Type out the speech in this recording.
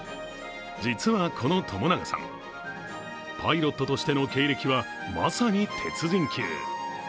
実はこの朝長さんパイロットとしての経歴はまさに鉄人級。